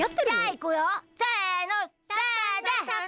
じゃあいくよ。